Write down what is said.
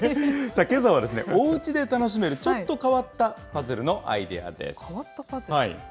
けさはですね、おうちで楽しめるちょっと変わったパズルのアイデアです。